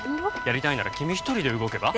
やりたいなら君一人で動けば？